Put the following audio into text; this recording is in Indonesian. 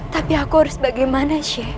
tapi aku harus bagaimana sheikh